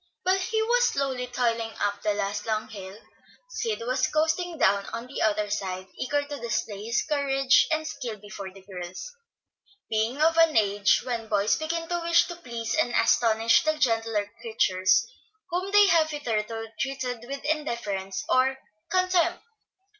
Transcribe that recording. While he was slowly toiling up the last long hill, Sid was coasting down on the other side, eager to display his courage and skill before the girls, being of an age when boys begin to wish to please and astonish the gentler creatures whom they have hitherto treated with indifference or contempt.